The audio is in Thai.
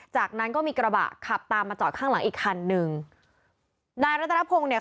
จากนั้นก็มีกระบะขับตามมาจอดข้างหลังอีกคันหนึ่งนายรัตนพงศ์เนี่ย